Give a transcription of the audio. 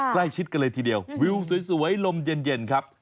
ใกล้ชิดกันเลยทีเดียววิวสวยลมเย็นครับ